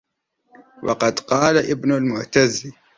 وَقَدْ قَالَ ابْنُ الْمُعْتَزِّ